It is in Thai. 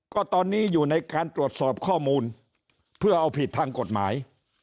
ก็ตอนนี้อยู่ในการตรวจสอบข้อมูลเพื่อเอาผิดทางกฎหมาย